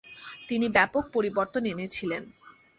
তিনি ব্যাপক পরিবর্তন এনেছিলেন।